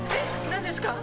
何ですか？